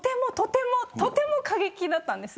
とても過激だったんです。